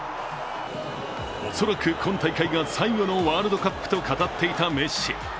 恐らく今大会が最後のワールドカップと語っていたメッシ。